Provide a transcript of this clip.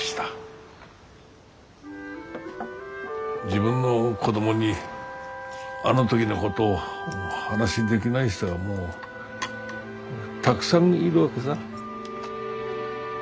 自分の子供にあの時のことを話できない人がもうたくさんいるわけさ。